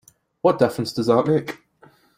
What difference does that make?